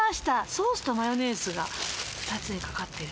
ソースとマヨネーズが２つにかかってる。